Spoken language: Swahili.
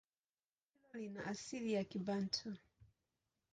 Neno hilo lina asili ya Kibantu.